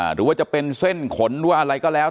หรือว่าจะเป็นเส้นขนหรือว่าอะไรก็แล้ว